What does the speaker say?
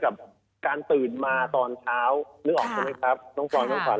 กับการตื่นมาตอนเช้านึกออกใช่ไหมครับน้องปลอยน้องขวัญ